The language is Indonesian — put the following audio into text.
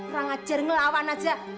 rangacir ngelawan aja